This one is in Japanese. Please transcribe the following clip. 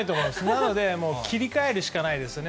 なので、もう切り替えるしかないですね。